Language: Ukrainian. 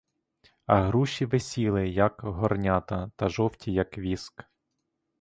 А груші висіли, як горнята, та жовті, як віск!